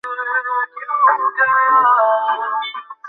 ওহ, আর কত!